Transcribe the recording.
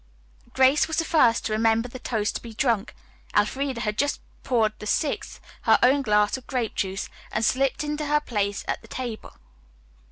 Grace was the first to remember the toast to be drunk. Elfreda had just poured the sixth, her own glass of grape juice, and slipped into her place at the table.